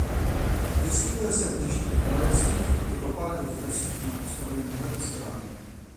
Vyskytuje se v deštných pralesích i opadavých lesích na ostrově Madagaskar.